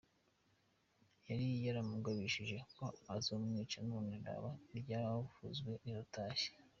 "Yari yaramugabishije ko azomwica none raba iryavuzwe riratashe.